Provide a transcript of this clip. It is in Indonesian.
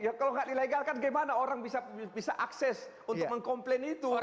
ya kalau nggak dilegalkan gimana orang bisa akses untuk mengkomplain itu